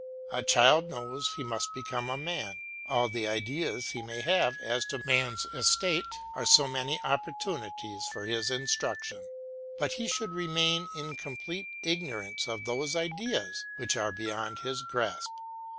A child knows he must become a man; all the ideas he may have as to man's estate are so many opportunities for his instruction, but he should remain in complete ignorance of those ideas which are beyond his grasp.